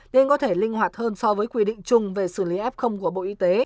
nên có thể linh hoạt hơn so với quy định chung về xử lý f của bộ y tế